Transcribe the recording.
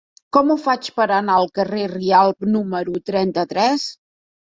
Com ho faig per anar al carrer de Rialb número trenta-tres?